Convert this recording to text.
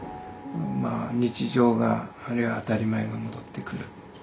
まあ日常があるいは当たり前が戻ってくる。